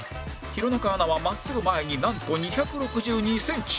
弘中アナは真っすぐ前になんと２６２センチ